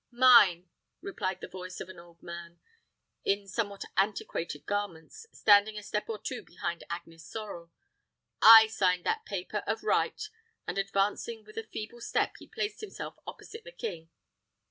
"Mine," replied the voice of an old man, in somewhat antiquated garments, standing a step or two behind Agnes Sorel. "I signed that paper, of right;" and advancing with a feeble step, he placed himself opposite the king.